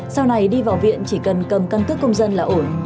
sau này đi vào viện chỉ cần cầm căn cước công dân là ổ